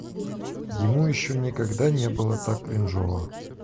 Ему ещё никогда не было так кринжово.